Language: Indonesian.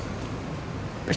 percaya sama mereka